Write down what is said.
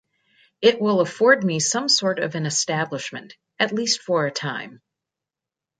It will afford me some sort of an establishment, at least for a time.